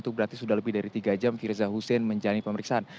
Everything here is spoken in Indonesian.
itu berarti sudah lebih dari tiga jam firza hussein menjalani pemeriksaan